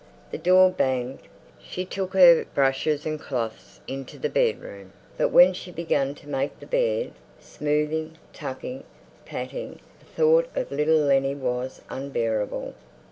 The door banged. She took her brushes and cloths into the bedroom. But when she began to make the bed, smoothing, tucking, patting, the thought of little Lennie was unbearable.